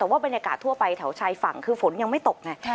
แต่ว่าบรรยากาศทั่วไปแถวชายฝั่งคือฝนยังไม่ตกไง